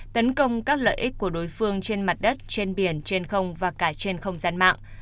tấn công các lợi ích của đối phương trên mặt đất trên biển trên không và cả trên không gian mạng